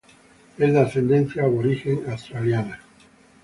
Es de ascendencia aborigen australiana.